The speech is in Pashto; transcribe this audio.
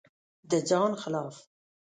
د ځان خلاف